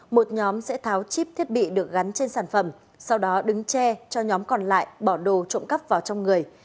một nhóm sẽ tháo chip thiết bị được gắn trên sản phẩm sau đó đứng che cho nhóm còn lại bỏ đồ trộm cắp vào trong người